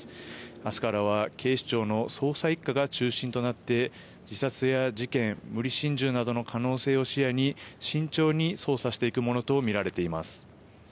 明日からは警視庁の捜査１課が中心となって自殺や事件、無理心中などの可能性を視野に慎重に捜査していくものとみられています。